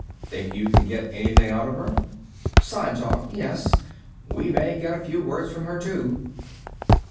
"Think you can get anything out of her?" "Sign talk, yes. We may get a few words from her, too."